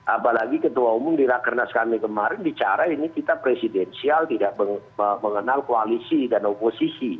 apalagi ketua umum di rakernas kami kemarin bicara ini kita presidensial tidak mengenal koalisi dan oposisi